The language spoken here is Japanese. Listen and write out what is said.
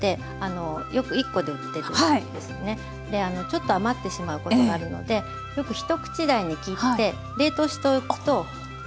ちょっと余ってしまうことがあるのでよく一口大に切って冷凍しておくと便利です。